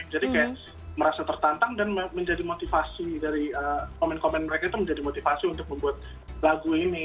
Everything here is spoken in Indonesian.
jadi kayak merasa tertantang dan menjadi motivasi dari komen komen mereka itu menjadi motivasi untuk membuat lagu ini